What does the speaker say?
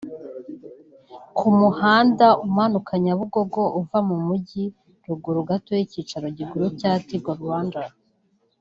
ku muhanda umanuka Nyabugogo uva mu mujyi ruguru gato y’icyicaro gikuru cya Tigo Rwanda